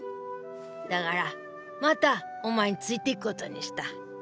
だからまたお前に付いていくことにした！